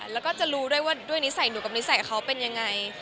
แล้วก็จะรู้ด้วยว่าด้วยนิสัยหนูกับนิสัยเขาเป็นยังไง